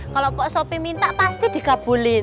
kalau pak sopi minta pasti dikabulin